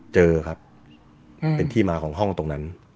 เจอครับเป็นที่มาของห้องตรงนั้น